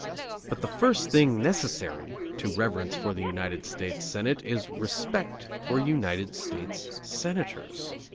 But the first thing necessary to reverence for the United States Senate is respect for United States Senators.